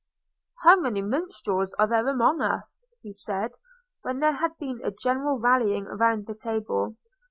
"How many minstrels are there among us?" he said, when there had been a general rallying round the table.